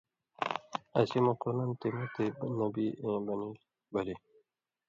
اسی مہ قران نہ مُتیۡ نبیؑ ایں بنیلۡ بلی